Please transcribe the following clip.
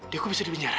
dia kok bisa di penjara